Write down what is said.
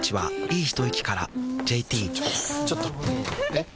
えっ⁉